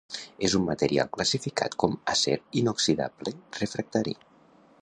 És un material classificat com acer inoxidable refractari.